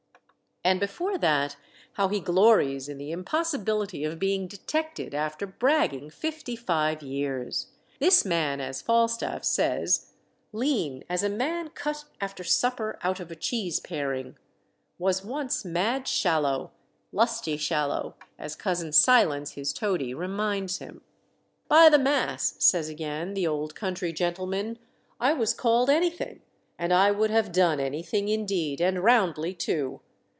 And before that, how he glories in the impossibility of being detected after bragging fifty five years! This man, as Falstaff says, "lean as a man cut after supper out of a cheese paring," was once mad Shallow, lusty Shallow, as Cousin Silence, his toady, reminds him. "By the mass," says again the old country gentleman, "I was called anything, and I would have done anything, indeed, and roundly too.